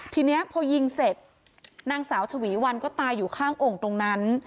ทีนี้พอยิงเสร็จนางสาวฉวีวันก็ตายอยู่ข้างโอ่งตรงนั้น